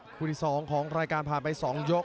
คู่ที่๒ของรายการผ่านไป๒ยก